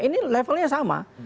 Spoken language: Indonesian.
ini levelnya sama